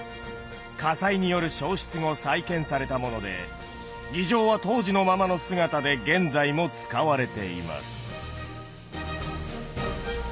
火災による焼失後再建されたもので議場は当時のままの姿で現在も使われています。